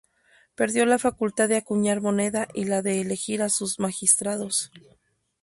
Perdió la facultad de acuñar moneda y la de elegir a sus magistrados.